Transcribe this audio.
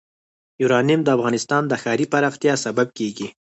یورانیم د افغانستان د ښاري پراختیا سبب کېږي.